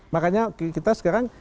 makanya kita sekarang